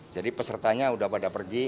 jadi pesertanya udah pada pergi